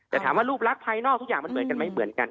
แต่ถามว่ารูปลักษณ์ภายนอกทุกอย่างมันเหมือนกันไหมเหมือนกัน